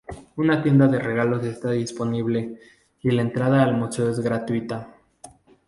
Una tienda de regalos está disponible y la entrada al museo es gratuita.